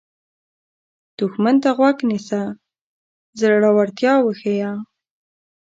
دښمن ته مه غوږ نیسه، زړورتیا وښیه